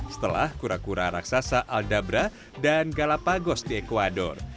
setelah kura kura raksasa aldabra dan galapagos di ecuador